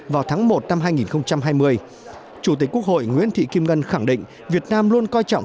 vào tháng một năm hai nghìn hai mươi chủ tịch quốc hội nguyễn thị kim ngân khẳng định việt nam luôn coi trọng